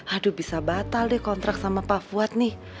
aduh bisa batal deh kontrak sama pak fuad nih